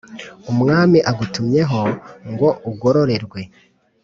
umwami agutumyeho ngo ugororerwe